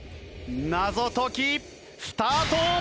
謎解きスタート！